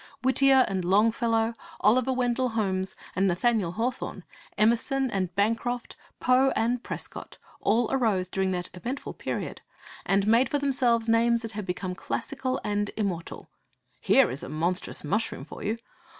Whittier and Longfellow, Oliver Wendell Holmes and Nathaniel Hawthorne, Emerson and Bancroft, Poe and Prescott, all arose during that eventful period, and made for themselves names that have become classical and immortal. Here is a monstrous mushroom for you!